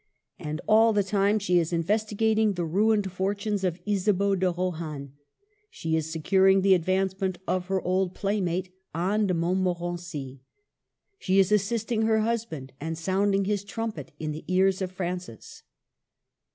And all the CHANGES. l6l time she is investigating the ruined fortunes of Isabeau de Rohan ; she is securing the advance ment of her old playmate, Anne de Montmo rency; she is assisting her husband, and sound ing his trumpet in the ears of Francis.